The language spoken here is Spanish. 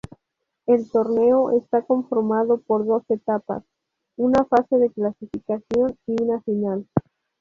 El torneo está conformado por dos etapas: una Fase de Clasificación y una Final.